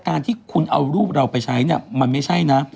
การที่คุณเอารูปเราไปใช้เนี่ยมันไม่ใช่นะ